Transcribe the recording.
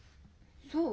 そう？